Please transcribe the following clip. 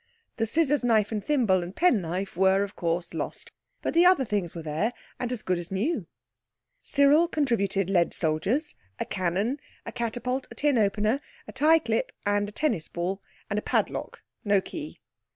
The scissors, knife, and thimble, and penknife were, of course, lost, but the other things were there and as good as new. Cyril contributed lead soldiers, a cannon, a catapult, a tin opener, a tie clip, and a tennis ball, and a padlock—no key.